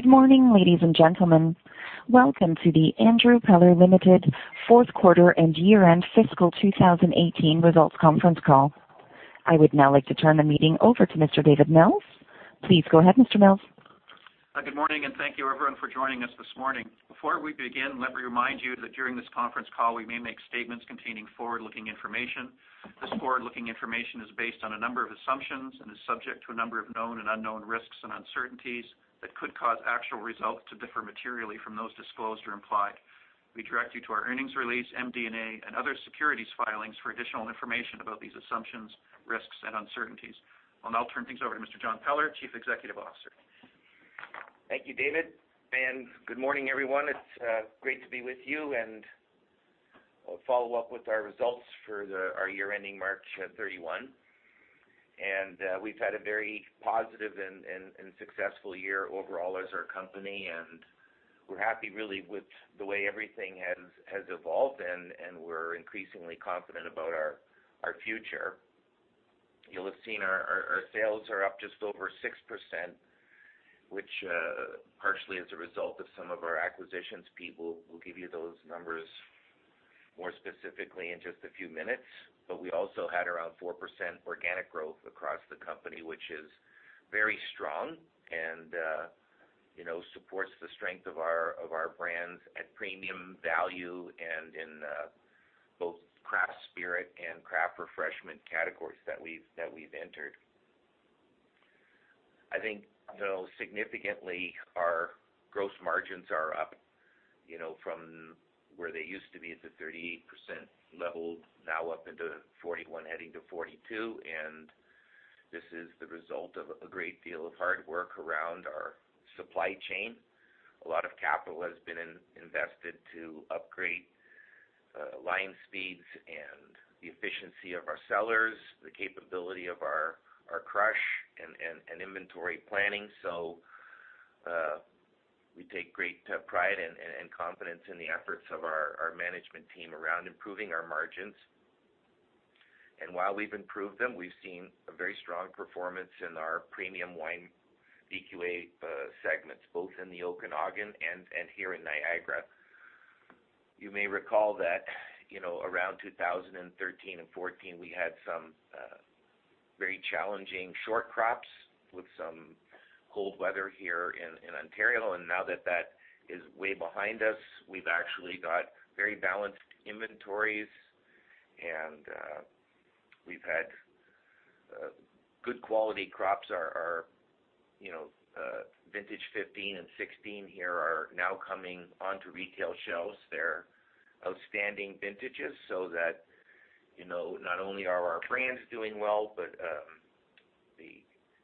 Good morning, ladies and gentlemen. Welcome to the Andrew Peller Limited fourth quarter and year-end fiscal 2018 results conference call. I would now like to turn the meeting over to Mr. David Mills. Please go ahead, Mr. Mills. Good morning. Thank you, everyone, for joining us this morning. Before we begin, let me remind you that during this conference call, we may make statements containing forward-looking information. This forward-looking information is based on a number of assumptions and is subject to a number of known and unknown risks and uncertainties that could cause actual results to differ materially from those disclosed or implied. We direct you to our earnings release, MD&A, and other securities filings for additional information about these assumptions, risks, and uncertainties. I'll now turn things over to Mr. John Peller, Chief Executive Officer. Thank you, David. Good morning, everyone. It's great to be with you and follow up with our results for our year ending March 31. We've had a very positive and successful year overall as our company. We're happy really with the way everything has evolved. We're increasingly confident about our future. You'll have seen our sales are up just over 6%, which partially is a result of some of our acquisitions. Pete will give you those numbers more specifically in just a few minutes. We also had around 4% organic growth across the company, which is very strong and supports the strength of our brands at premium value and in both craft spirit and craft refreshment categories that we've entered. I think, significantly, our gross margins are up from where they used to be at the 38% level, now up into 41%, heading to 42%. This is the result of a great deal of hard work around our supply chain. A lot of capital has been invested to upgrade line speeds and the efficiency of our cellars, the capability of our crush, and inventory planning. We take great pride and confidence in the efforts of our management team around improving our margins. While we've improved them, we've seen a very strong performance in our premium wine VQA segments, both in the Okanagan and here in Niagara. You may recall that around 2013 and 2014, we had some very challenging short crops with some cold weather here in Ontario, and now that that is way behind us, we've actually got very balanced inventories, and we've had good quality crops. Our vintage 2015 and 2016 here are now coming onto retail shelves. They're outstanding vintages, so that not only are our brands doing well, but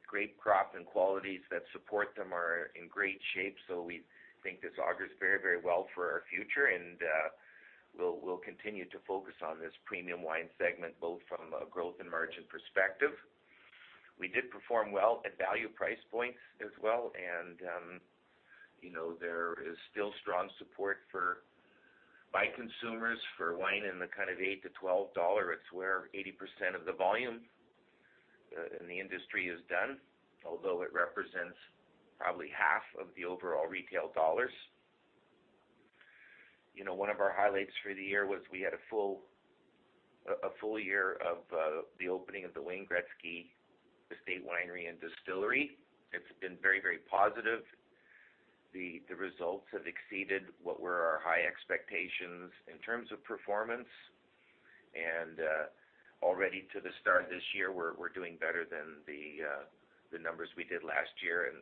the grape crop and qualities that support them are in great shape. We think this augurs very well for our future, and we'll continue to focus on this premium wine segment, both from a growth and margin perspective. We did perform well at value price points as well, and there is still strong support by consumers for wine in the kind of eight to 12 dollar. It's where 80% of the volume in the industry is done, although it represents probably half of the overall retail dollars. One of our highlights for the year was we had a full year of the opening of the Wayne Gretzky Estates Winery & Distillery. It's been very positive. The results have exceeded what were our high expectations in terms of performance. Already to the start this year, we're doing better than the numbers we did last year, and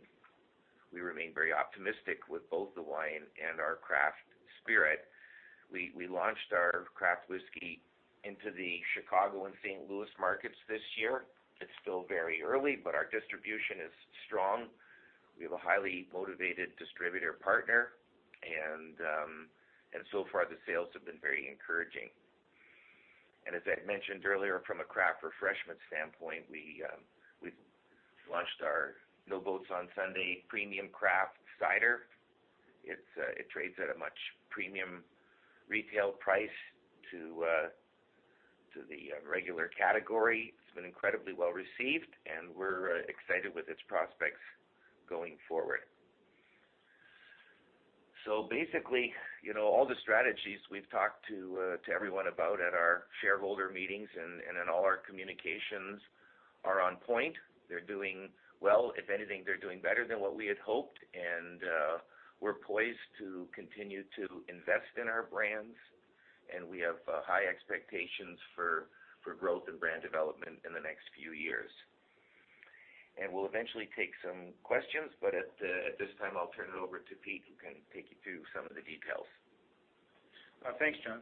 we remain very optimistic with both the wine and our craft spirit. We launched our craft whiskey into the Chicago and St. Louis markets this year. It's still very early. Our distribution is strong. We have a highly motivated distributor partner, and so far, the sales have been very encouraging. As I mentioned earlier, from a craft refreshment standpoint, we've launched our No Boats on Sunday premium craft cider. It trades at a much premium retail price to the regular category. It's been incredibly well-received, and we're excited with its prospects going forward. Basically, all the strategies we've talked to everyone about at our shareholder meetings and in all our communications are on point. They're doing well. If anything, they're doing better than what we had hoped, and we're poised to continue to invest in our brands, and we have high expectations for growth and brand development in the next few years. We'll eventually take some questions, but at this time, I'll turn it over to Pete, who can take you through some of the details. Thanks, John.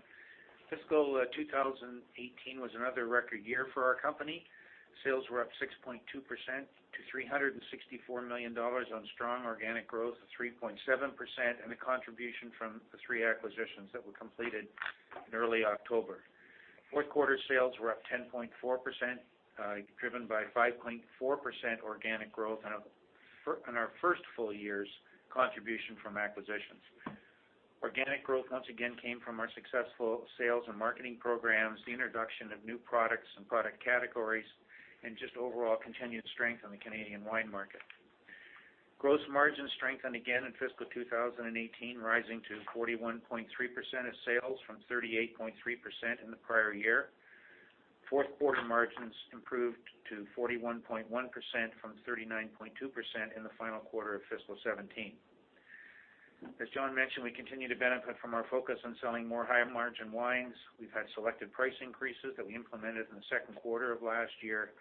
Fiscal 2018 was another record year for our company. Sales were up 6.2% to 364 million dollars on strong organic growth of 3.7% and a contribution from the three acquisitions that were completed in early October. Fourth quarter sales were up 10.4%, driven by 5.4% organic growth on our first full year's contribution from acquisitions. Organic growth once again came from our successful sales and marketing programs, the introduction of new products and product categories, and just overall continued strength in the Canadian wine market. Gross margin strengthened again in fiscal 2018, rising to 41.3% of sales from 38.3% in the prior year. Fourth quarter margins improved to 41.1% from 39.2% in the final quarter of fiscal 2017. As John mentioned, we continue to benefit from our focus on selling more high-margin wines. We've had selected price increases that we implemented in the second quarter of last year.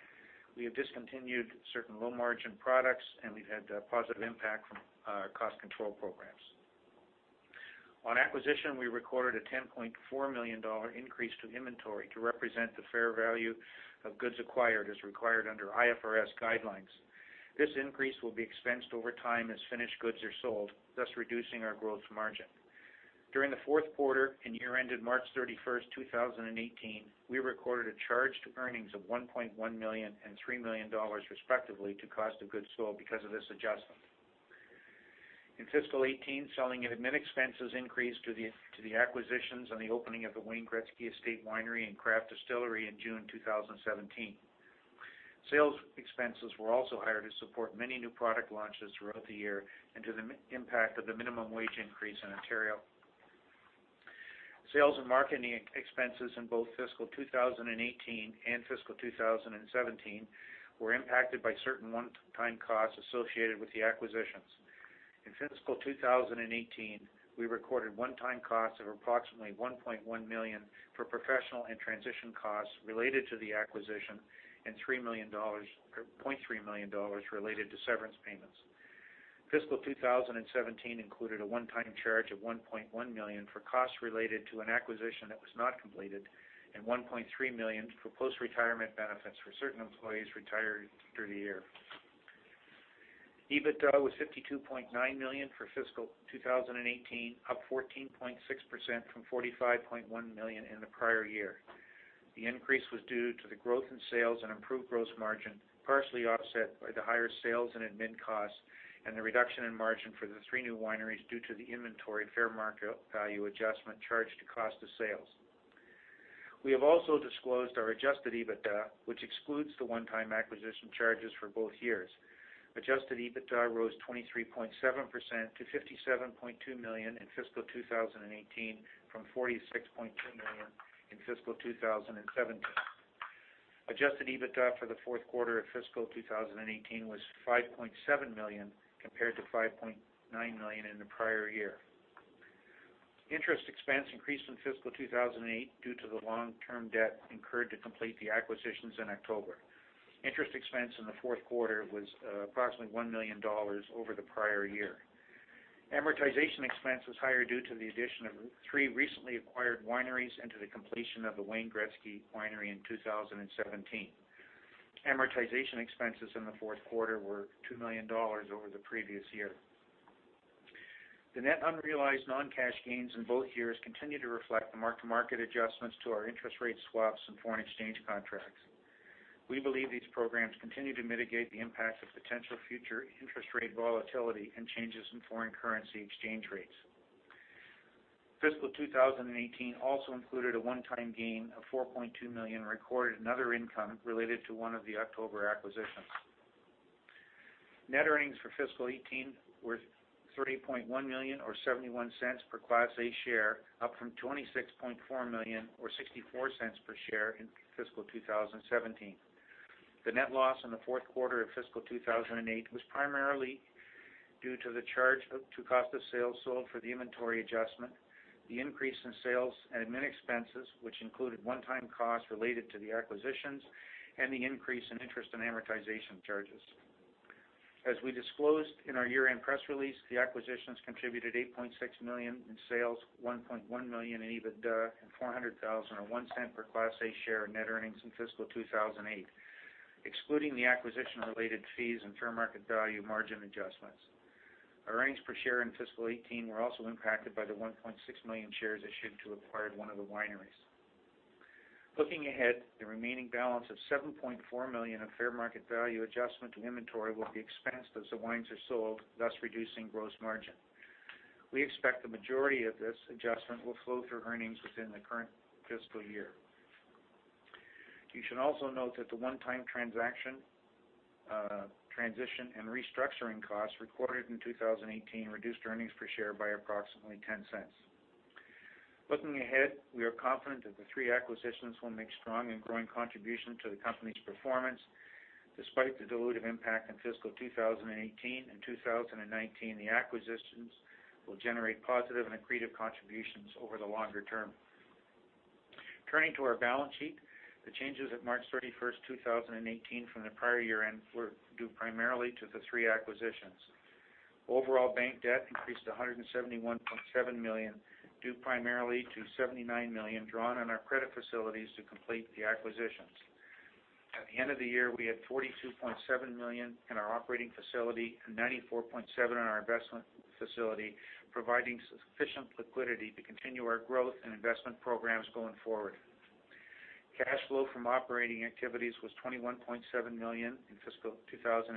We have discontinued certain low-margin products, and we've had a positive impact from our cost control programs. On acquisition, we recorded a 10.4 million dollar increase to inventory to represent the fair value of goods acquired as required under IFRS guidelines. This increase will be expensed over time as finished goods are sold, thus reducing our gross margin. During the fourth quarter and year ended March 31st, 2018, we recorded a charge to earnings of 1.1 million and 3 million dollars respectively to cost of goods sold because of this adjustment. In fiscal 2018, selling and admin expenses increased due to the acquisitions and the opening of the Wayne Gretzky Estates Winery & Distillery in June 2017. Sales expenses were also higher to support many new product launches throughout the year and due to the impact of the minimum wage increase in Ontario. Sales and marketing expenses in both fiscal 2018 and fiscal 2017 were impacted by certain one-time costs associated with the acquisitions. In fiscal 2018, we recorded one-time costs of approximately 1.1 million for professional and transition costs related to the acquisition, and 0.3 million dollars related to severance payments. Fiscal 2017 included a one-time charge of CAD 1.1 million for costs related to an acquisition that was not completed and 1.3 million for post-retirement benefits for certain employees retired through the year. EBITDA was 52.9 million for fiscal 2018, up 14.6% from 45.1 million in the prior year. The increase was due to the growth in sales and improved gross margin, partially offset by the higher sales and admin costs and the reduction in margin for the three new wineries due to the inventory at fair market value adjustment charged to cost of sales. We have also disclosed our adjusted EBITDA, which excludes the one-time acquisition charges for both years. Adjusted EBITDA rose 23.7% to 57.2 million in fiscal 2018 from 46.2 million in fiscal 2017. Adjusted EBITDA for the fourth quarter of fiscal 2018 was 5.7 million compared to 5.9 million in the prior year. Interest expense increased in fiscal 2018 due to the long-term debt incurred to complete the acquisitions in October. Interest expense in the fourth quarter was approximately 1 million dollars over the prior year. Amortization expense was higher due to the addition of three recently acquired wineries and to the completion of the Wayne Gretzky Winery in 2017. Amortization expenses in the fourth quarter were 2 million dollars over the previous year. The net unrealized non-cash gains in both years continue to reflect the mark-to-market adjustments to our interest rate swaps and foreign exchange contracts. We believe these programs continue to mitigate the impact of potential future interest rate volatility and changes in foreign currency exchange rates. Fiscal 2018 also included a one-time gain of 4.2 million recorded in other income related to one of the October acquisitions. Net earnings for fiscal 2018 were 30.1 million, or 0.71 per Class A share, up from 26.4 million or 0.64 per share in fiscal 2017. The net loss in the fourth quarter of fiscal 2018 was primarily due to the charge to cost of sales sold for the inventory adjustment, the increase in sales and admin expenses, which included one-time costs related to the acquisitions, and the increase in interest and amortization charges. As we disclosed in our year-end press release, the acquisitions contributed 8.6 million in sales, 1.1 million in EBITDA, and 400,000 or 0.01 per Class A share in net earnings in fiscal 2018, excluding the acquisition-related fees and fair market value margin adjustments. Our earnings per share in fiscal 2018 were also impacted by the 1.6 million shares issued to acquire one of the wineries. Looking ahead, the remaining balance of 7.4 million of fair market value adjustment to inventory will be expensed as the wines are sold, thus reducing gross margin. We expect the majority of this adjustment will flow through earnings within the current fiscal year. You should also note that the one-time transition and restructuring costs recorded in 2018 reduced earnings per share by approximately 0.10. Looking ahead, we are confident that the three acquisitions will make strong and growing contributions to the company's performance. Despite the dilutive impact in fiscal 2018 and 2019, the acquisitions will generate positive and accretive contributions over the longer term. Turning to our balance sheet, the changes at March 31st, 2018, from the prior year-end were due primarily to the three acquisitions. Overall bank debt increased to 171.7 million, due primarily to 79 million drawn on our credit facilities to complete the acquisitions. At the end of the year, we had 42.7 million in our operating facility and 94.7 in our investment facility, providing sufficient liquidity to continue our growth and investment programs going forward. Cash flow from operating activities was 21.7 million in fiscal 2018.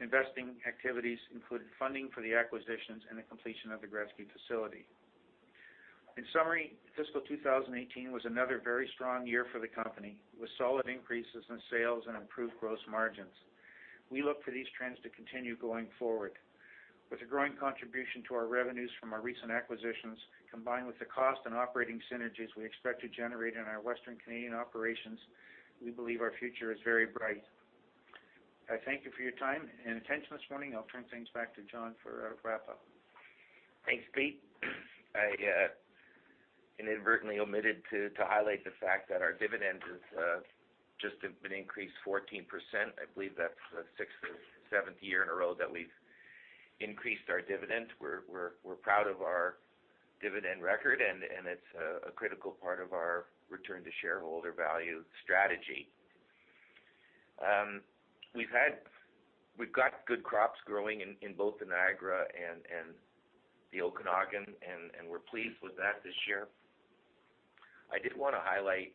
Investing activities included funding for the acquisitions and the completion of the Gretzky facility. In summary, fiscal 2018 was another very strong year for the company, with solid increases in sales and improved gross margins. We look for these trends to continue going forward. With the growing contribution to our revenues from our recent acquisitions, combined with the cost and operating synergies we expect to generate in our Western Canadian operations, we believe our future is very bright. I thank you for your time and attention this morning. I'll turn things back to John for a wrap-up. Thanks, Pete. I inadvertently omitted to highlight the fact that our dividends just have been increased 14%. I believe that's the sixth or seventh year in a row that we've increased our dividend. We're proud of our dividend record, and it's a critical part of our return-to-shareholder value strategy. We've got good crops growing in both the Niagara and the Okanagan, and we're pleased with that this year. I did want to highlight,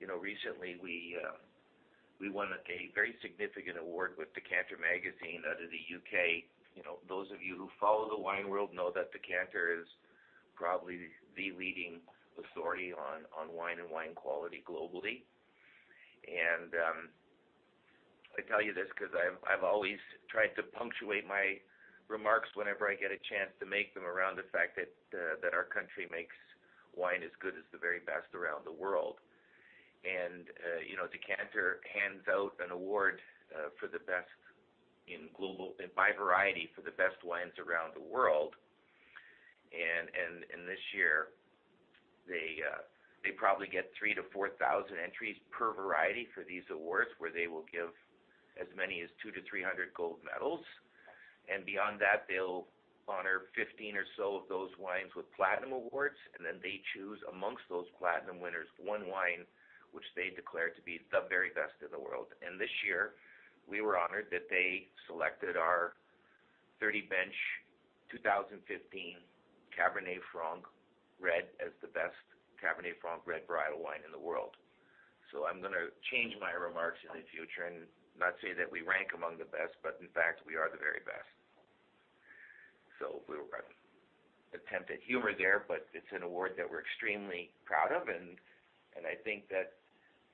recently we won a very significant award with Decanter Magazine out of the U.K. Those of you who follow the wine world know that Decanter is probably the leading authority on wine and wine quality globally. I tell you this because I've always tried to punctuate my remarks whenever I get a chance to make them around the fact that our country makes wine as good as the very best around the world. Decanter hands out an award by variety for the best wines around the world. This year, they probably get 3,000 to 4,000 entries per variety for these awards, where they will give as many as 200 to 300 gold medals. Beyond that, they'll honor 15 or so of those wines with platinum awards, then they choose amongst those platinum winners one wine which they declare to be the very best in the world. This year, we were honored that they selected our Thirty Bench 2015 Cabernet Franc Red as the best Cabernet Franc red varietal wine in the world. I'm going to change my remarks in the future and not say that we rank among the best, but in fact, we are the very best. A little attempt at humor there, it's an award that we're extremely proud of, and I think that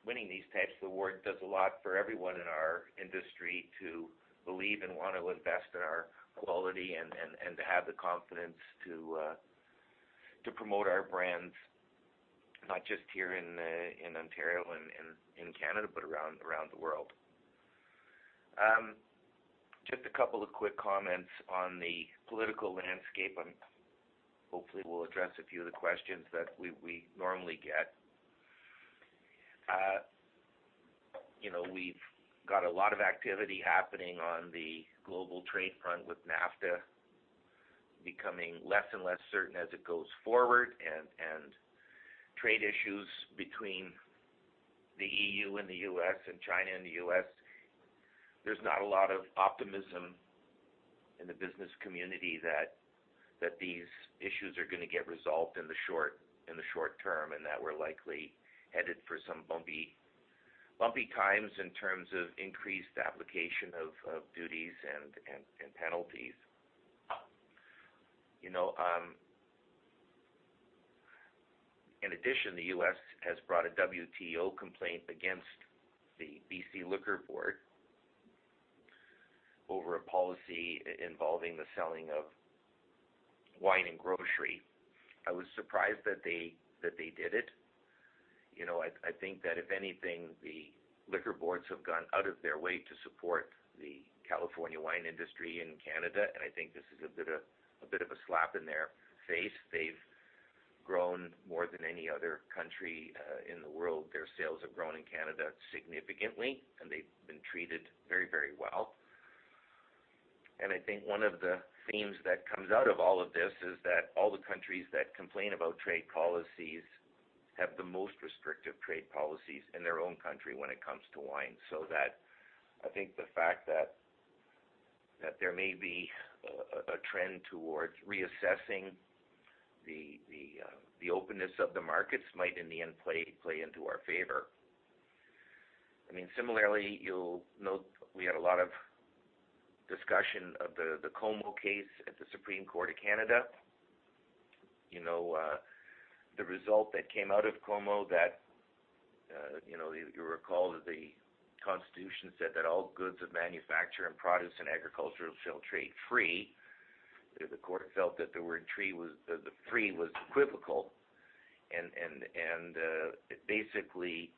winning these types of awards does a lot for everyone in our industry to believe and want to invest in our quality and to have the confidence to promote our brands, not just here in Ontario and in Canada, but around the world. Just a couple of quick comments on the political landscape, and hopefully we'll address a few of the questions that we normally get. We've got a lot of activity happening on the global trade front with NAFTA becoming less and less certain as it goes forward and trade issues between the EU and the U.S. and China and the U.S. There's not a lot of optimism in the business community that these issues are going to get resolved in the short term, and that we're likely headed for some bumpy times in terms of increased application of duties and penalties. In addition, the U.S. has brought a WTO complaint against the BC Liquor Board over a policy involving the selling of wine in grocery. I was surprised that they did it. I think that if anything, the liquor boards have gone out of their way to support the California wine industry in Canada, and I think this is a bit of a slap in their face. They've grown more than any other country in the world. Their sales have grown in Canada significantly, and they've been treated very well. I think one of the themes that comes out of all of this is that all the countries that complain about trade policies have the most restrictive trade policies in their own country when it comes to wine. I think the fact that there may be a trend towards reassessing the openness of the markets might, in the end, play into our favor. Similarly, you'll note we had a lot of discussion of the Comeau case at the Supreme Court of Canada. The result that came out of Comeau that you recall that the Constitution said that all goods of manufacture and produce and agricultural shall trade free. The court felt that the word free was equivocal and basically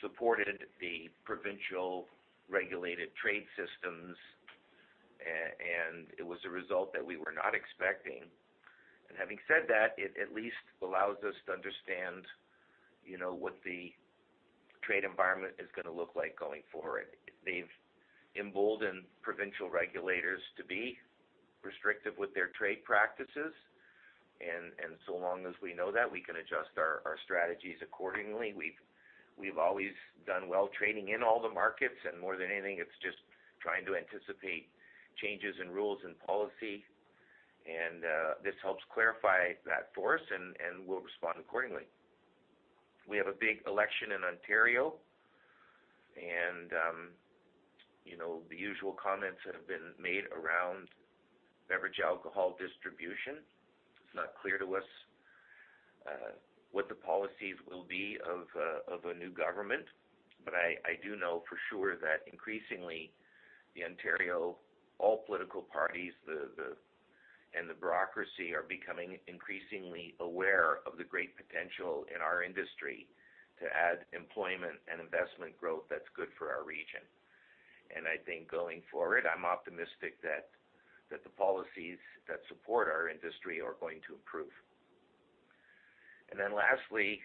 supported the provincial regulated trade systems, and it was a result that we were not expecting. Having said that, it at least allows us to understand what the trade environment is going to look like going forward. They've emboldened provincial regulators to be restrictive with their trade practices, and so long as we know that, we can adjust our strategies accordingly. We've always done well trading in all the markets, and more than anything, it's just trying to anticipate changes in rules and policy. This helps clarify that for us, and we'll respond accordingly. We have a big election in Ontario. The usual comments that have been made around beverage alcohol distribution. It's not clear to us what the policies will be of a new government. I do know for sure that increasingly, the Ontario, all political parties, and the bureaucracy are becoming increasingly aware of the great potential in our industry to add employment and investment growth that's good for our region. I think going forward, I'm optimistic that the policies that support our industry are going to improve. Lastly,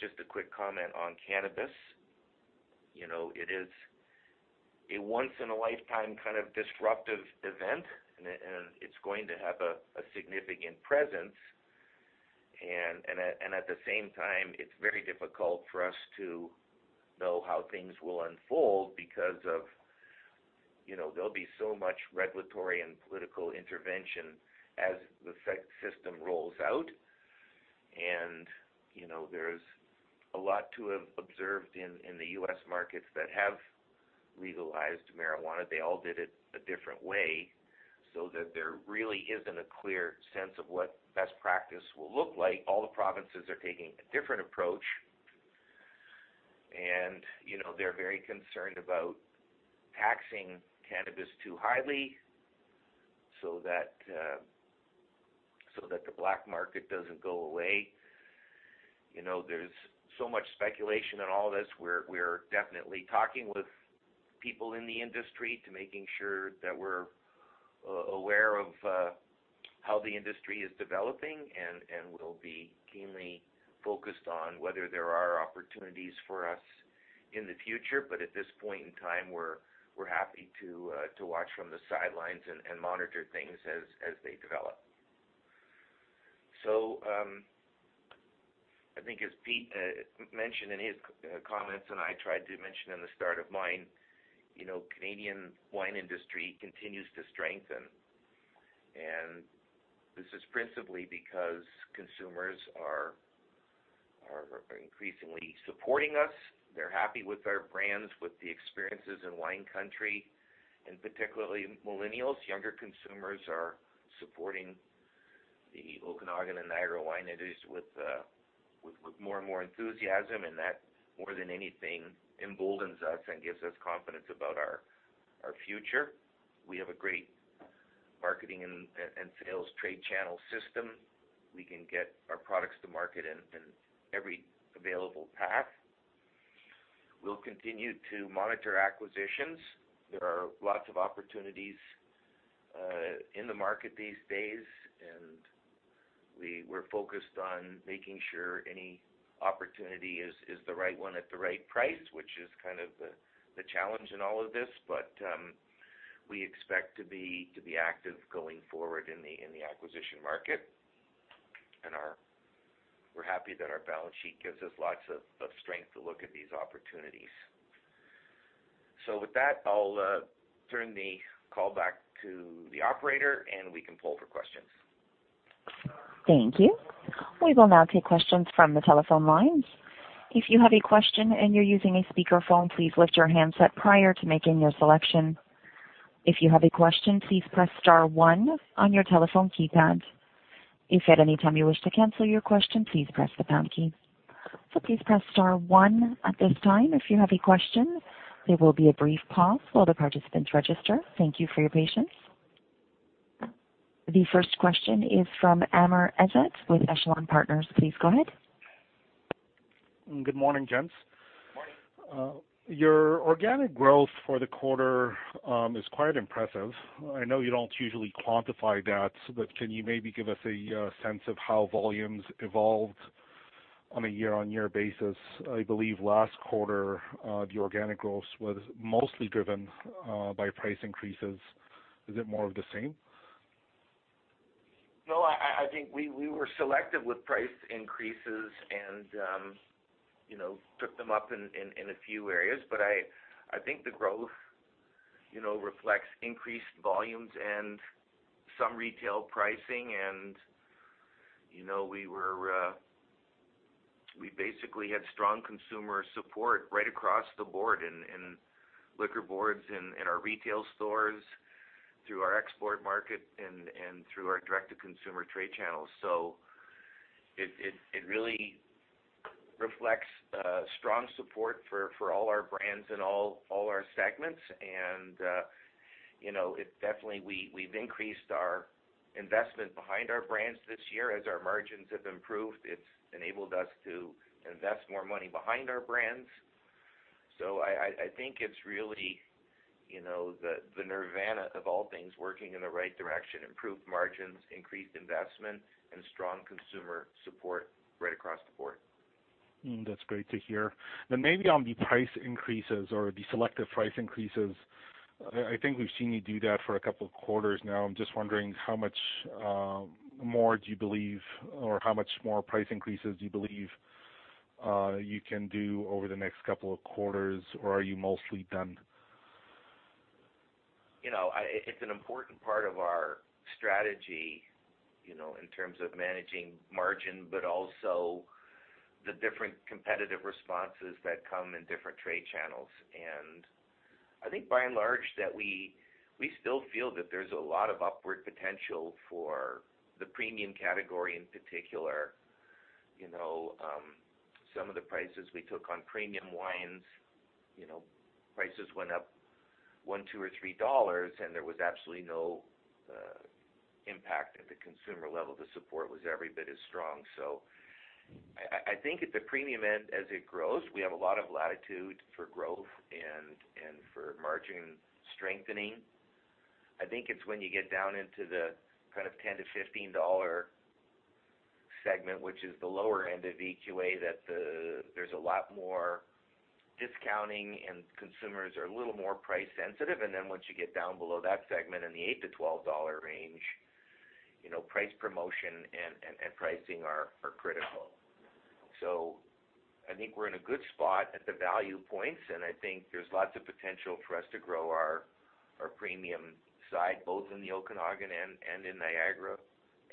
just a quick comment on cannabis. It is a once in a lifetime kind of disruptive event, and it's going to have a significant presence. At the same time, it's very difficult for us to know how things will unfold because there'll be so much regulatory and political intervention as the system rolls out. There's a lot to have observed in the U.S. markets that have legalized marijuana. They all did it a different way so that there really isn't a clear sense of what best practice will look like. All the provinces are taking a different approach, and they're very concerned about taxing cannabis too highly so that the black market doesn't go away. There's so much speculation on all this. We're definitely talking with people in the industry to making sure that we're aware of how the industry is developing, and we'll be keenly focused on whether there are opportunities for us in the future. At this point in time, we're happy to watch from the sidelines and monitor things as they develop. I think as Pete mentioned in his comments, and I tried to mention in the start of mine, Canadian wine industry continues to strengthen. This is principally because consumers are increasingly supporting us. They're happy with our brands, with the experiences in wine country. Particularly millennials, younger consumers are supporting the Okanagan and Niagara wine industries with more and more enthusiasm. That, more than anything, emboldens us and gives us confidence about our future. We have a great marketing and sales trade channel system. We can get our products to market in every available path. We'll continue to monitor acquisitions. There are lots of opportunities in the market these days, and we're focused on making sure any opportunity is the right one at the right price, which is kind of the challenge in all of this. We expect to be active going forward in the acquisition market, and we're happy that our balance sheet gives us lots of strength to look at these opportunities. With that, I'll turn the call back to the operator, and we can poll for questions. Thank you. We will now take questions from the telephone lines. If you have a question and you're using a speakerphone, please lift your handset prior to making your selection. If you have a question, please press star one on your telephone keypad. If at any time you wish to cancel your question, please press the pound key. Please press star one at this time if you have a question. There will be a brief pause while the participants register. Thank you for your patience. The first question is from Amr Ezzat with Echelon Partners. Please go ahead. Good morning, gents. Morning. Your organic growth for the quarter is quite impressive. I know you don't usually quantify that, but can you maybe give us a sense of how volumes evolved on a year-on-year basis? I believe last quarter, the organic growth was mostly driven by price increases. Is it more of the same? I think we were selective with price increases and took them up in a few areas. I think the growth reflects increased volumes and some retail pricing. We basically had strong consumer support right across the board in liquor boards, in our retail stores, through our export market, and through our direct-to-consumer trade channels. It really reflects strong support for all our brands and all our segments. Definitely we've increased our investment behind our brands this year. As our margins have improved, it's enabled us to invest more money behind our brands. I think it's really the nirvana of all things working in the right direction: improved margins, increased investment, and strong consumer support right across the board. That's great to hear. Maybe on the price increases or the selective price increases, I think we've seen you do that for a couple of quarters now. I'm just wondering how much more do you believe, or how much more price increases do you believe you can do over the next couple of quarters, or are you mostly done? It's an important part of our strategy, in terms of managing margin, but also the different competitive responses that come in different trade channels. I think by and large that we still feel that there's a lot of upward potential for the premium category in particular. Some of the prices we took on premium wines, prices went up 1, 2, or 3 dollars, and there was absolutely no impact at the consumer level. The support was every bit as strong. I think at the premium end, as it grows, we have a lot of latitude for growth and for margin strengthening. I think it's when you get down into the kind of 10-15 dollar segment, which is the lower end of VQA, that there's a lot more discounting and consumers are a little more price sensitive. Once you get down below that segment in the 8-12 dollar range, price promotion and pricing are critical. I think we're in a good spot at the value points, and I think there's lots of potential for us to grow our premium side, both in the Okanagan and in Niagara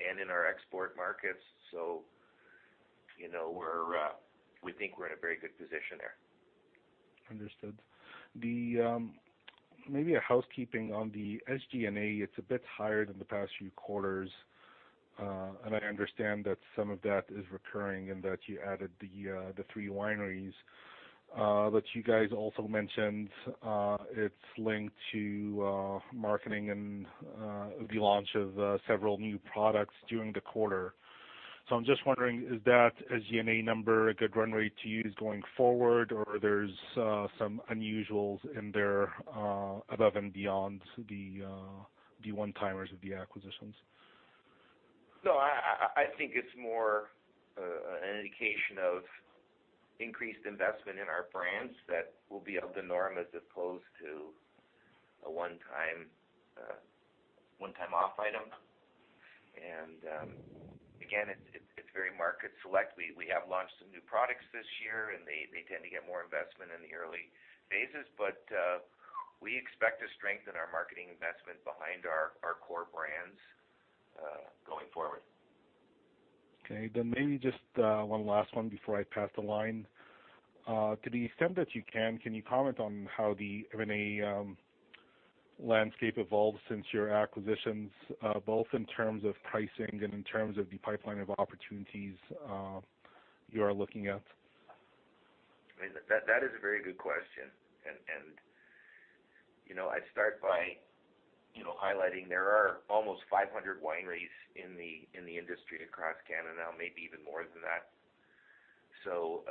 and in our export markets. We think we're in a very good position there. Understood. Maybe a housekeeping on the SG&A. It is a bit higher than the past few quarters. I understand that some of that is recurring and that you added the three wineries. You guys also mentioned it is linked to marketing and the launch of several new products during the quarter. I am just wondering, is that SG&A number a good run rate to use going forward, or there are some unusuals in there above and beyond the one-timers of the acquisitions? No, I think it is more an indication of increased investment in our brands that will be of the norm as opposed to a one-time off item. Again, it is very market select. We have launched some new products this year, and they tend to get more investment in the early phases. We expect to strengthen our marketing investment behind our core brands going forward. Okay, maybe just one last one before I pass the line. To the extent that you can you comment on how the M&A landscape evolved since your acquisitions, both in terms of pricing and in terms of the pipeline of opportunities you are looking at? That is a very good question. I would start by highlighting, there are almost 500 wineries in the industry across Canada, maybe even more than that. The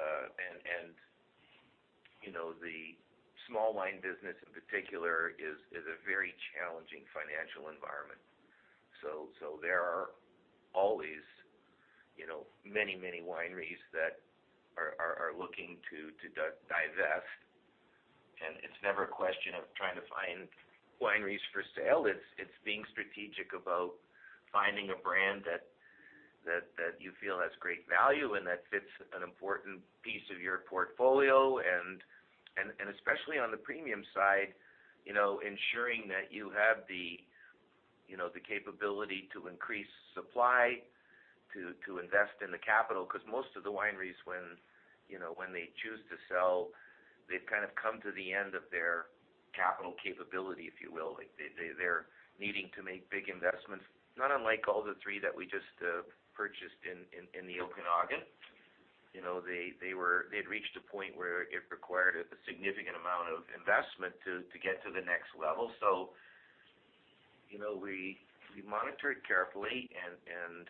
small wine business in particular is a very challenging financial environment. There are always many wineries that are looking to divest, and it is never a question of trying to find wineries for sale. It is being strategic about finding a brand that you feel has great value and that fits an important piece of your portfolio and especially on the premium side, ensuring that you have the capability to increase supply to invest in the capital, because most of the wineries, when they choose to sell, they have kind of come to the end of their capital capability, if you will. They are needing to make big investments, not unlike all the three that we just purchased in the Okanagan. They had reached a point where it required a significant amount of investment to get to the next level. We monitor it carefully, and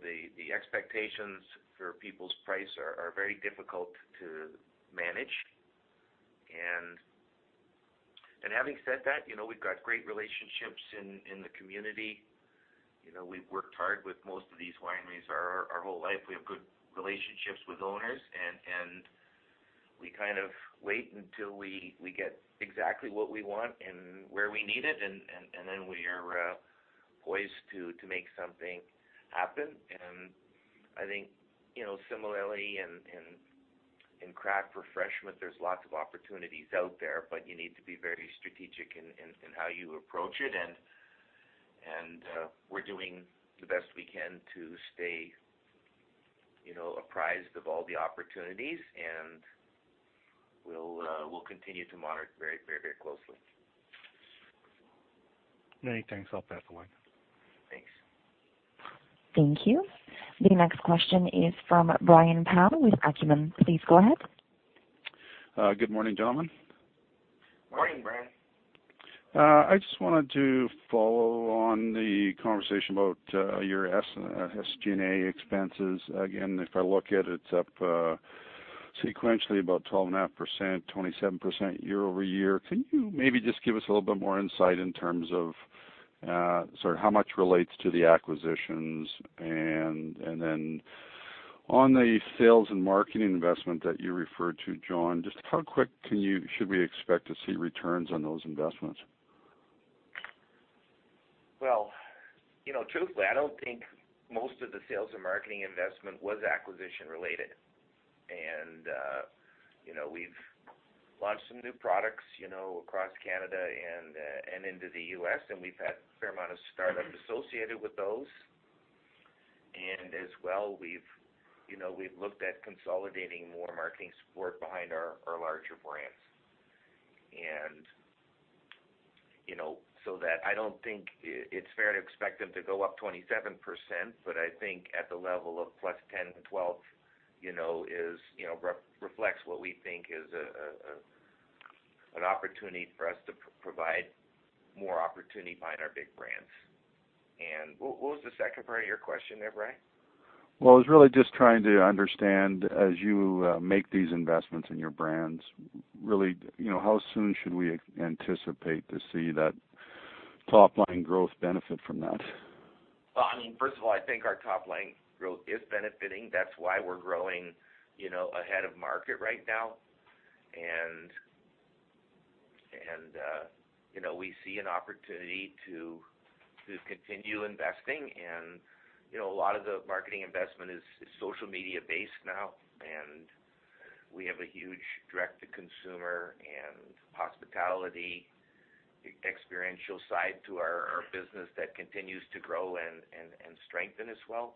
the expectations for people's price are very difficult to manage. Having said that, we've got great relationships in the community. We've worked hard with most of these wineries our whole life. We have good relationships with owners, and we kind of wait until we get exactly what we want and where we need it, and then we are poised to make something happen. I think similarly in craft refreshment, there's lots of opportunities out there, but you need to be very strategic in how you approach it, and we're doing the best we can to stay apprised of all the opportunities, and we'll continue to monitor very closely. Many thanks. I'll pass the line. Thanks. Thank you. The next question is from Brian Pow with Acumen. Please go ahead. Good morning, gentlemen. Morning, Brian. I just wanted to follow on the conversation about your SG&A expenses. Again, if I look at it is up sequentially about 12.5%, 27% year-over-year. Then on the sales and marketing investment that you referred to, John, just how quick should we expect to see returns on those investments? Truthfully, I don't think most of the sales and marketing investment was acquisition-related. We've launched some new products across Canada and into the U.S., and we've had a fair amount of startup associated with those. As well, we've looked at consolidating more marketing support behind our larger brands. So that I don't think it's fair to expect them to go up 27%, but I think at the level of +10%-12%, reflects what we think is an opportunity for us to provide more opportunity behind our big brands. What was the second part of your question there, Brian? Well, I was really just trying to understand, as you make these investments in your brands, really, how soon should we anticipate to see that top-line growth benefit from that? First of all, I think our top-line growth is benefiting. That's why we're growing ahead of market right now. We see an opportunity to continue investing, and a lot of the marketing investment is social media based now, and we have a huge direct-to-consumer and hospitality experiential side to our business that continues to grow and strengthen as well,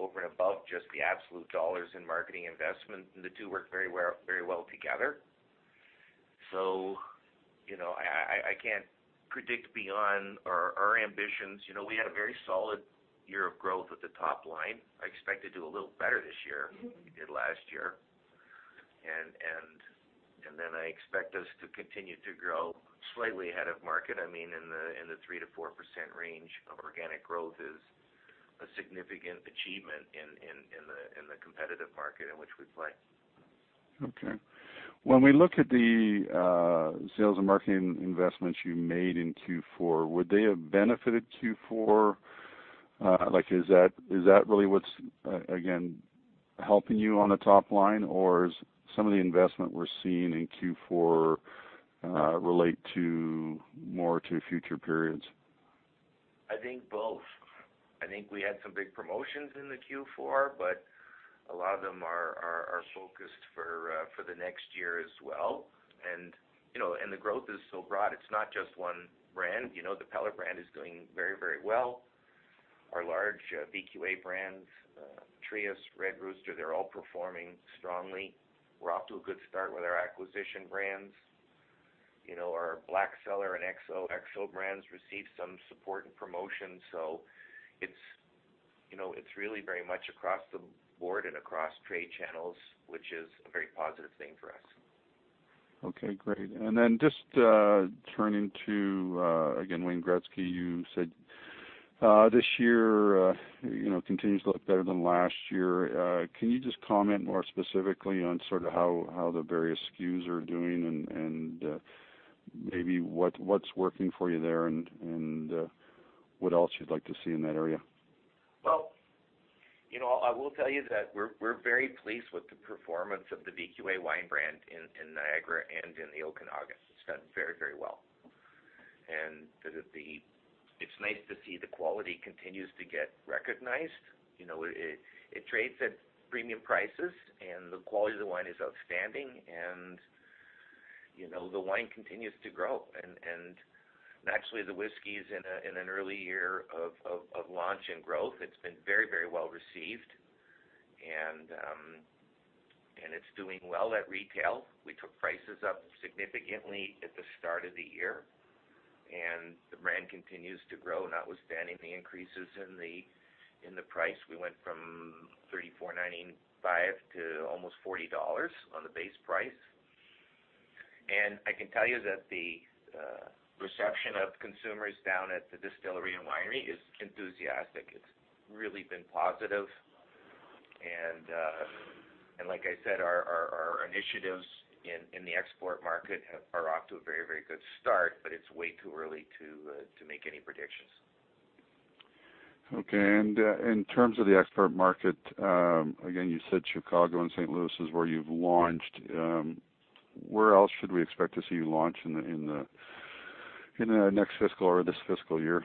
over and above just the absolute dollars in marketing investment, and the two work very well together. I can't predict beyond our ambitions. We had a very solid year of growth at the top line. I expect to do a little better this year than we did last year. I expect us to continue to grow slightly ahead of market. In the 3%-4% range of organic growth is a significant achievement in the competitive market in which we play. Okay. When we look at the sales and marketing investments you made in Q4, would they have benefited Q4? Is that really what's, again, helping you on the top line, or some of the investment we're seeing in Q4 relate more to future periods? I think both. I think we had some big promotions in the Q4, but a lot of them are focused for the next year as well. The growth is so broad. It's not just one brand. The Peller brand is doing very well. Our large VQA brands, Trius, Red Rooster, they're all performing strongly. We're off to a good start with our acquisition brands. Our Black Cellar and XO brands received some support and promotion, so it's really very much across the board and across trade channels, which is a very positive thing for us. Okay, great. Just turning to, again, Wayne Gretzky, you said this year continues to look better than last year. Can you just comment more specifically on sort of how the various SKUs are doing and maybe what's working for you there and what else you'd like to see in that area? Well, I will tell you that we're very pleased with the performance of the VQA wine brand in Niagara and in the Okanagan. It's done very well. It's nice to see the quality continues to get recognized. It trades at premium prices, and the quality of the wine is outstanding, and the wine continues to grow. Naturally, the whiskey's in an early year of launch and growth. It's been very well received, and it's doing well at retail. We took prices up significantly at the start of the year, and the brand continues to grow notwithstanding the increases in the price. We went from 34.95 to almost 40 dollars on the base price. I can tell you that the reception of consumers down at the distillery and winery is enthusiastic. It's really been positive. Like I said, our initiatives in the export market are off to a very good start, but it's way too early to make any predictions. Okay, in terms of the export market, again, you said Chicago and St. Louis is where you've launched. Where else should we expect to see you launch in the next fiscal or this fiscal year?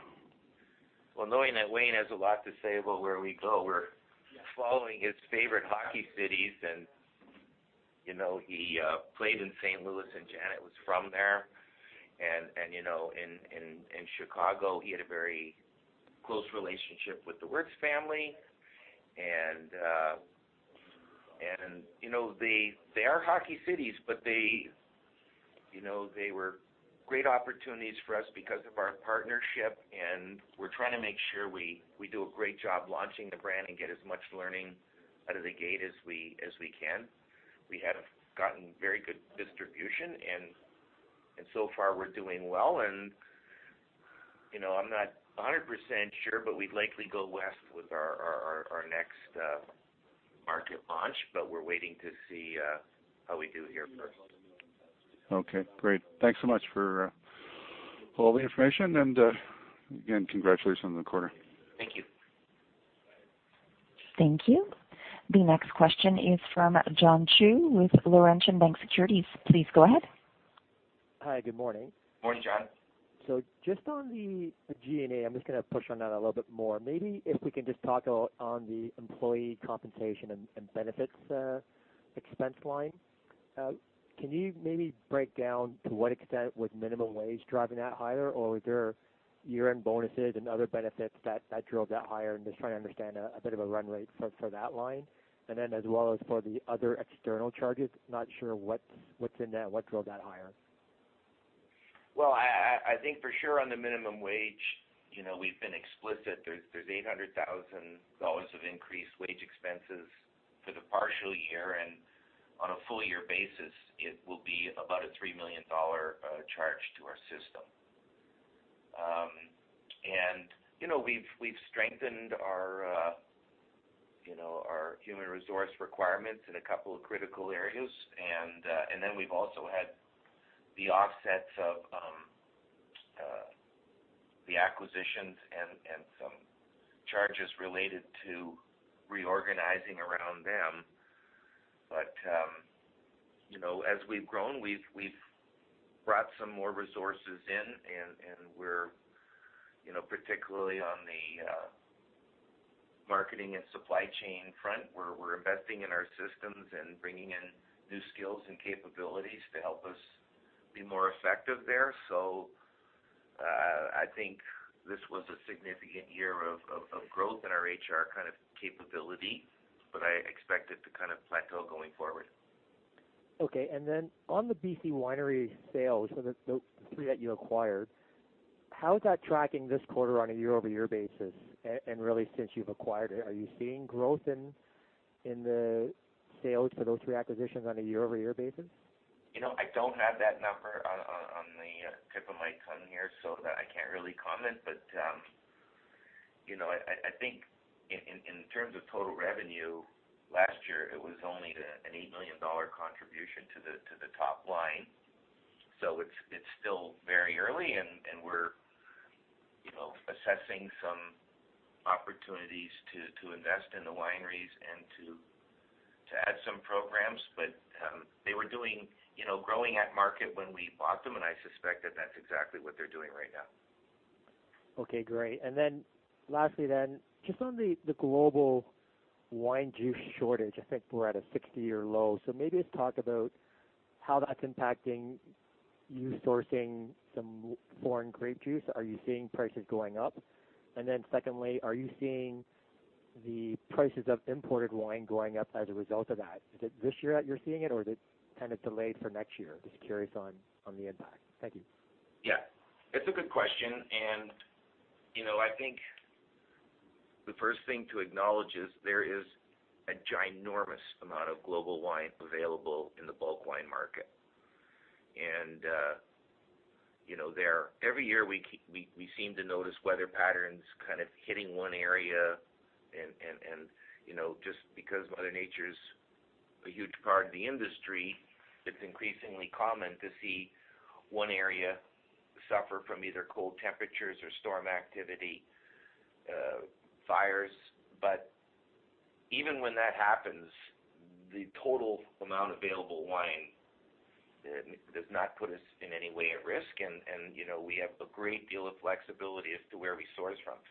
Well, knowing that Wayne has a lot to say about where we go, we're following his favorite hockey cities, and he played in St. Louis and Janet was from there. In Chicago, he had a very close relationship with the Wirtz family. They are hockey cities, but they were great opportunities for us because of our partnership, and we're trying to make sure we do a great job launching the brand and get as much learning out of the gate as we can. We have gotten very good distribution, and so far we're doing well. I'm not 100% sure, but we'd likely go west with our next market launch, but we're waiting to see how we do here first. Okay, great. Thanks so much for all the information, again, congratulations on the quarter. Thank you. The next question is from John Chu with Laurentian Bank Securities. Please go ahead. Hi. Good morning. Morning, John. Just on the G&A, I'm just going to push on that a little bit more. If we can just talk on the employee compensation and benefits expense line. Can you break down to what extent was minimum wage driving that higher? Was there year-end bonuses and other benefits that drove that higher? I'm just trying to understand a bit of a run rate for that line, and then as well as for the other external charges. Not sure what's in that, what drove that higher. I think for sure on the minimum wage, we've been explicit. There's 800,000 dollars of increased wage expenses for the partial year, and on a full year basis, it will be about a 3 million dollar charge to our system. We've strengthened our human resource requirements in a couple of critical areas, we've also had the offsets of the acquisitions and some charges related to reorganizing around them. As we've grown, we've brought some more resources in, and we're, particularly on the marketing and supply chain front, we're investing in our systems and bringing in new skills and capabilities to help us be more effective there. I think this was a significant year of growth in our HR kind of capability, but I expect it to kind of plateau going forward. On the BC Winery sales, the three that you acquired, how is that tracking this quarter on a year-over-year basis? Really since you've acquired it, are you seeing growth in the sales for those three acquisitions on a year-over-year basis? I don't have that number on the tip of my tongue here, I can't really comment. I think in terms of total revenue, last year, it was only a 8 million dollar contribution to the top line. It's still very early, and we're assessing some opportunities to invest in the wineries and to add some programs. They were growing at market when we bought them, and I suspect that that's exactly what they're doing right now. Okay, great. Lastly then, just on the global wine juice shortage, I think we're at a 60-year low, so maybe just talk about how that's impacting you sourcing some foreign grape juice. Are you seeing prices going up? Secondly, are you seeing the prices of imported wine going up as a result of that? Is it this year that you're seeing it, or is it kind of delayed for next year? Just curious on the impact. Thank you. Yeah. It's a good question. I think the first thing to acknowledge is there is a ginormous amount of global wine available in the bulk wine market. Every year, we seem to notice weather patterns kind of hitting one area and just because Mother Nature's a huge part of the industry, it's increasingly common to see one area suffer from either cold temperatures or storm activity, fires. Even when that happens, the total amount available wine does not put us in any way at risk, and we have a great deal of flexibility as to where we source from.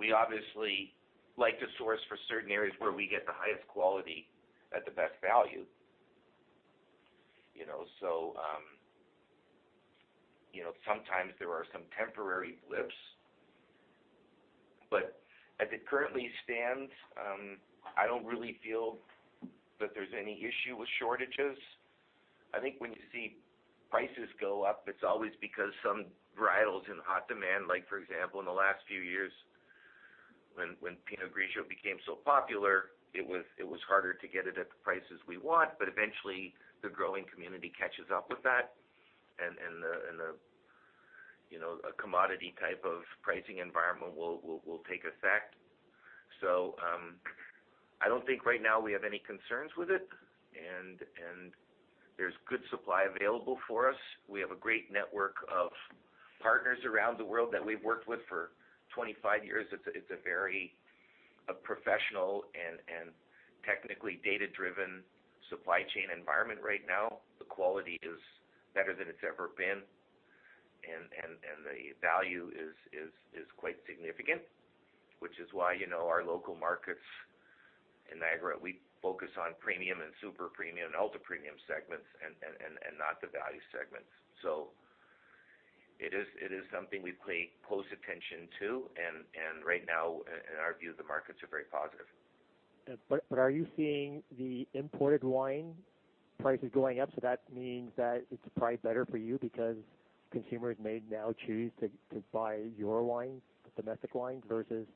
We obviously like to source for certain areas where we get the highest quality at the best value. Sometimes there are some temporary blips, but as it currently stands, I don't really feel that there's any issue with shortages. I think when you see prices go up, it's always because some varietal's in hot demand. Like for example, in the last few years when Pinot Grigio became so popular, it was harder to get it at the prices we want. Eventually the growing community catches up with that and a commodity type of pricing environment will take effect. I don't think right now we have any concerns with it, and there's good supply available for us. We have a great network of partners around the world that we've worked with for 25 years. It's a very professional and technically data-driven supply chain environment right now. The quality is better than it's ever been, and the value is quite significant, which is why our local markets in Niagara, we focus on premium and super premium and ultra premium segments and not the value segments. It is something we pay close attention to, and right now, in our view, the markets are very positive. Are you seeing the imported wine prices going up? That means that it's probably better for you because consumers may now choose to buy your wine, the domestic wine, versus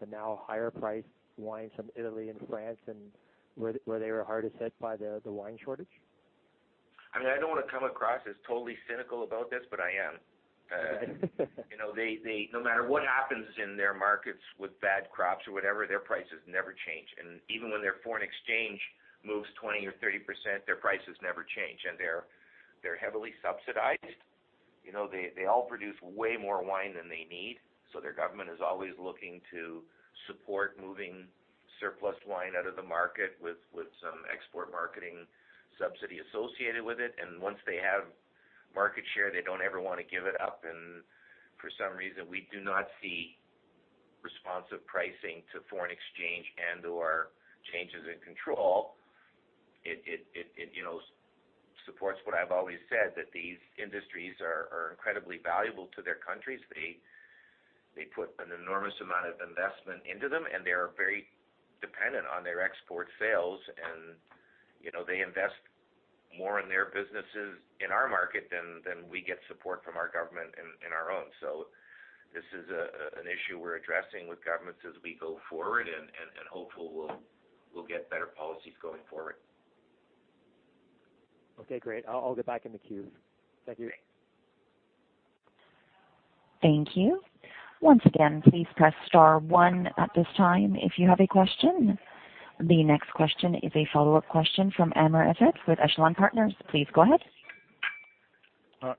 the now higher-priced wines from Italy and France and where they were hardest hit by the wine shortage? I mean, I don't want to come across as totally cynical about this, but I am. No matter what happens in their markets with bad crops or whatever, their prices never change. Even when their foreign exchange moves 20% or 30%, their prices never change, and they're heavily subsidized. They all produce way more wine than they need, their government is always looking to support moving surplus wine out of the market with some export marketing subsidy associated with it. Once they have market share, they don't ever want to give it up. For some reason, we do not see responsive pricing to foreign exchange and/or changes in control. It supports what I've always said, that these industries are incredibly valuable to their countries. They put an enormous amount of investment into them, they are very dependent on their export sales, they invest more in their businesses in our market than we get support from our government in our own. This is an issue we're addressing with governments as we go forward, hopefully we'll get better policies going forward. Okay, great. I'll get back in the queue. Thank you. Thank you. Once again, please press * one at this time if you have a question. The next question is a follow-up question from Amr Ezzat with Echelon Wealth Partners. Please go ahead.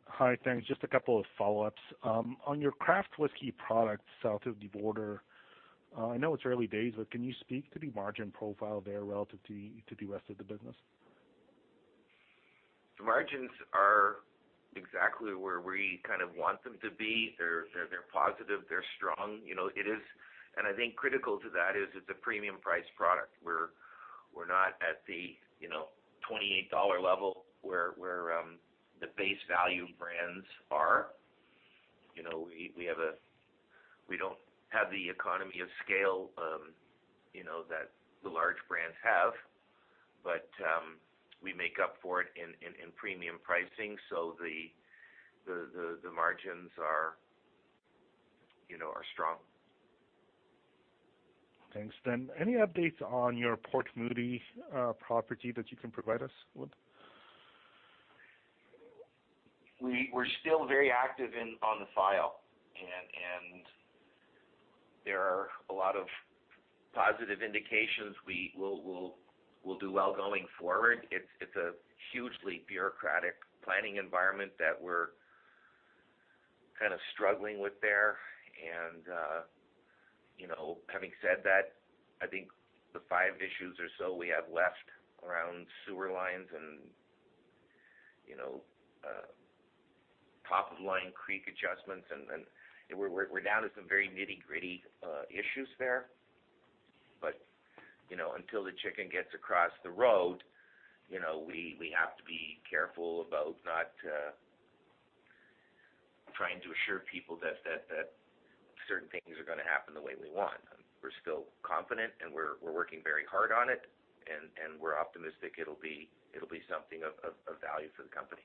Hi. Thanks. Just a couple of follow-ups. On your craft whiskey products south of the border, I know it's early days, but can you speak to the margin profile there relative to the rest of the business? The margins are exactly where we kind of want them to be. They're positive, they're strong. I think critical to that is it's a premium price product. We're not at the 28 dollar level where the base value brands are. We don't have the economy of scale that the large brands have. We make up for it in premium pricing, the margins are strong. Thanks. Any updates on your Port Moody property that you can provide us with? We're still very active on the file, and there are a lot of positive indications we'll do well going forward. It's a hugely bureaucratic planning environment that we're kind of struggling with there. Having said that, I think the five issues or so we have left around sewer lines and [top-of-bank] creek adjustments, and we're down to some very nitty-gritty issues there. Until the chicken gets across the road, we have to be careful about not trying to assure people that certain things are going to happen the way we want. We're still confident, and we're working very hard on it, and we're optimistic it'll be something of value for the company.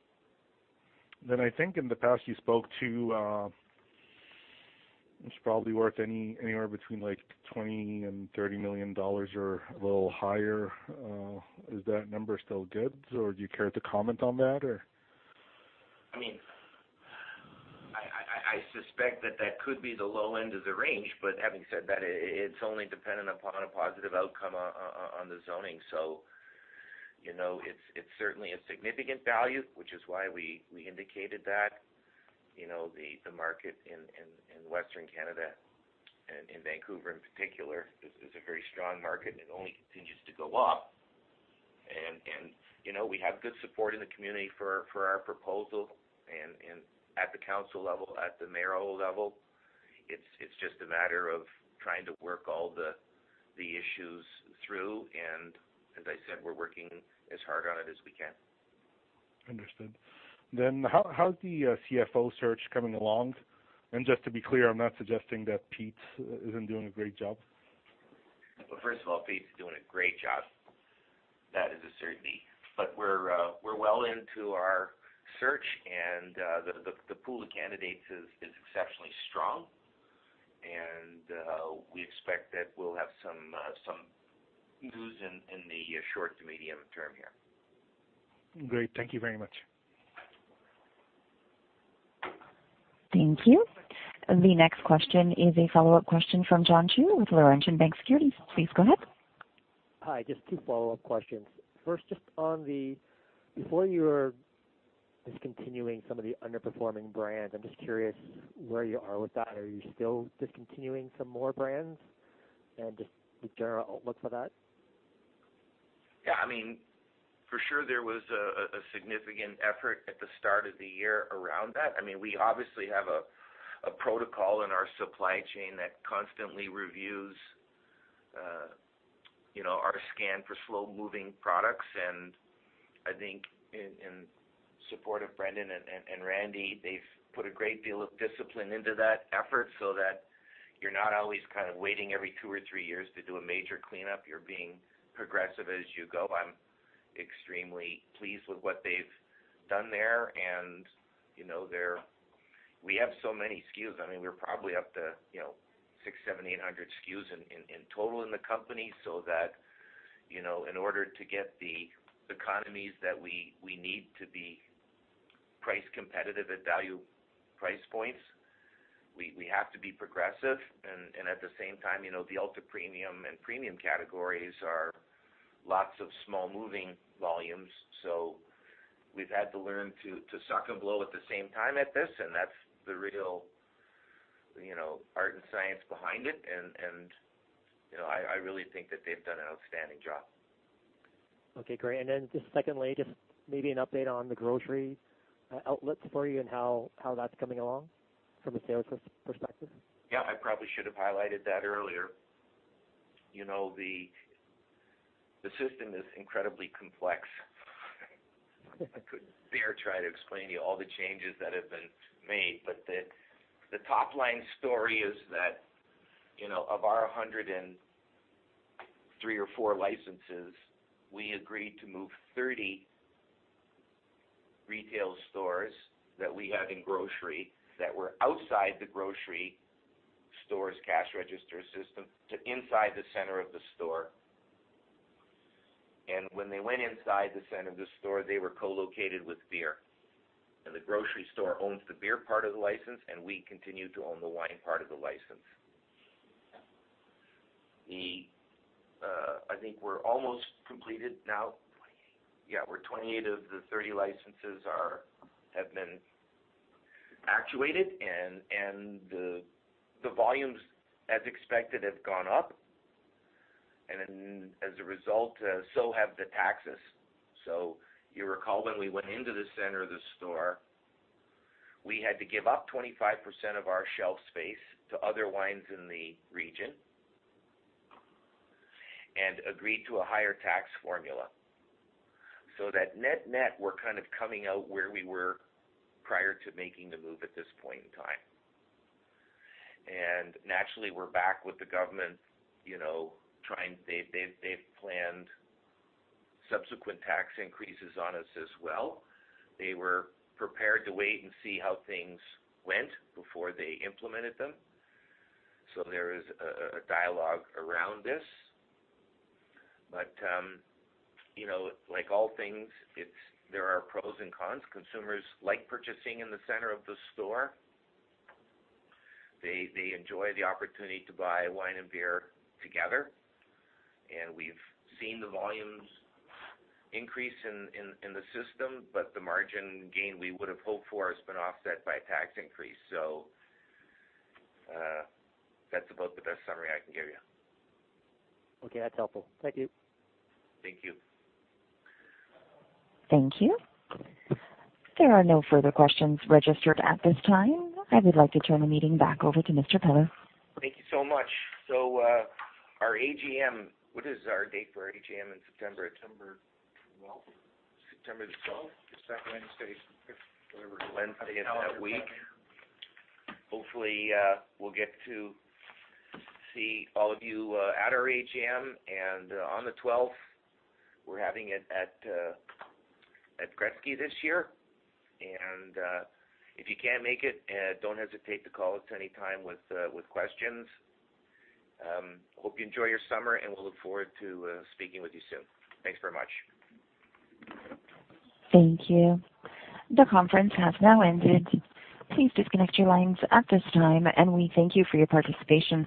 I think in the past you spoke to it's probably worth anywhere between 20 million and 30 million dollars or a little higher. Is that number still good, or do you care to comment on that? I suspect that that could be the low end of the range. Having said that, it's only dependent upon a positive outcome on the zoning. It's certainly a significant value, which is why we indicated that. The market in Western Canada and in Vancouver in particular is a very strong market, and it only continues to go up. We have good support in the community for our proposal and at the council level, at the mayoral level. It's just a matter of trying to work all the issues through. As I said, we're working as hard on it as we can. Understood. How's the CFO search coming along? Just to be clear, I'm not suggesting that Pete isn't doing a great job. First of all, Pete's doing a great job. That is a certainty. We're well into our search, and the pool of candidates is exceptionally strong, and we expect that we'll have some news in the short to medium term here. Great. Thank you very much. Thank you. The next question is a follow-up question from John Chu with Laurentian Bank Securities. Please go ahead. Hi. Just two follow-up questions. First, before you were discontinuing some of the underperforming brands, I'm just curious where you are with that. Are you still discontinuing some more brands? Just the general outlook for that. Yeah, for sure there was a significant effort at the start of the year around that. We obviously have a protocol in our supply chain that constantly reviews our scan for slow-moving products. I think in support of Brendan and Randy, they've put a great deal of discipline into that effort so that you're not always kind of waiting every two or three years to do a major cleanup. You're being progressive as you go. I'm extremely pleased with what they've done there. We have so many SKUs. We're probably up to 600, 700, 800 SKUs in total in the company. That in order to get the economies that we need to be price competitive at value price points. We have to be progressive, and at the same time, the ultra-premium and premium categories are lots of small moving volumes. We've had to learn to suck and blow at the same time at this. That's the real art and science behind it. I really think that they've done an outstanding job. Okay, great. Secondly, maybe an update on the grocery outlets for you and how that's coming along from a sales perspective. Yeah, I probably should have highlighted that earlier. The system is incredibly complex. I couldn't dare try to explain to you all the changes that have been made, but the top-line story is that, of our 103 or 104 licenses, we agreed to move 30 retail stores that we had in grocery that were outside the grocery store's cash register system to inside the center of the store. When they went inside the center of the store, they were co-located with beer. The grocery store owns the beer part of the license, and we continue to own the wine part of the license. I think we're almost completed now. 28. Yeah. Where 28 of the 30 licenses have been actuated, the volumes as expected have gone up. As a result, so have the taxes. You recall when we went into the center of the store, we had to give up 25% of our shelf space to other wines in the region and agreed to a higher tax formula. Net-net, we're kind of coming out where we were prior to making the move at this point in time. Naturally, we're back with the government. They've planned subsequent tax increases on us as well. They were prepared to wait and see how things went before they implemented them, there is a dialogue around this. Like all things, there are pros and cons. Consumers like purchasing in the center of the store. They enjoy the opportunity to buy wine and beer together, we've seen the volumes increase in the system. The margin gain we would've hoped for has been offset by a tax increase, that's about the best summary I can give you. Okay, that's helpful. Thank you. Thank you. Thank you. There are no further questions registered at this time. I would like to turn the meeting back over to Mr. Peller. Thank you so much. Our AGM, what is our date for AGM in September? September 12th. September the 12th? It's that Wednesday. Whatever Wednesday is that week. Hopefully, we'll get to see all of you at our AGM on the 12th. We're having it at Gretzky this year. If you can't make it, don't hesitate to call us anytime with questions. Hope you enjoy your summer, and we'll look forward to speaking with you soon. Thanks very much. Thank you. The conference has now ended. Please disconnect your lines at this time, and we thank you for your participation.